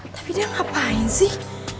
tapi dia ngapain sih